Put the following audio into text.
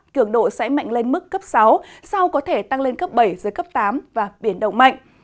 cường độ sẽ mạnh lên mức cấp sáu sau có thể tăng lên cấp bảy giới cấp tám và biển động mạnh